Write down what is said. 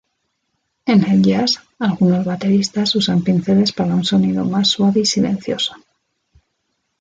En el jazz, algunos bateristas usan pinceles para un sonido más suave y silencioso.